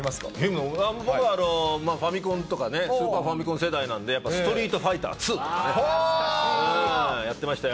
僕はファミコンとかね、スーパーファミコン世代なんで、やっぱストリートファイター２とかね、やってましたよ。